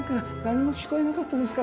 何も聞こえなかったですから。